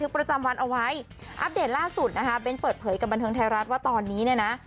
ประจำวันเอาไว้อัปเดตล่าสุดนะคะเบ้นเปิดเผยกับบันเทิงไทยรัฐว่าตอนนี้เนี่ยนะ